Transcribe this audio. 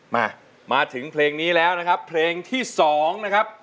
มามาถึงเพลงนี้แล้วนะครับเพลงที่๒นะครับ